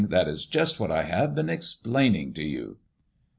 That is just what I have been explaining to you."